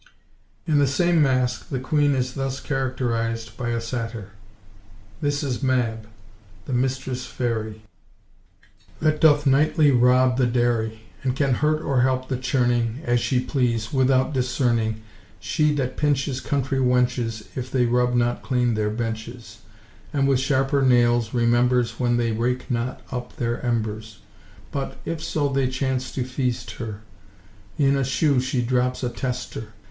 In the same masque the queen is thus characterised by a satyr:— "This is Mab, the mistress fairy, That doth nightly rob the dairy, And can hurt or help the churning, (As she please) without discerning. She that pinches country–wenches If they rub not clean their benches, And with sharper nails remembers When they rake not up their embers; But, if so they chance to feast her, In a shoe she drops a tester.